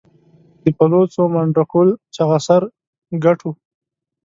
د پلوڅو، منډکول چغه سر، ګټ و